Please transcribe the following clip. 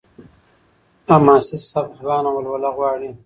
حماسي سبک ځوانه ولوله غواړي.